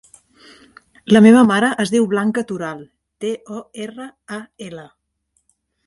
La meva mare es diu Blanca Toral: te, o, erra, a, ela.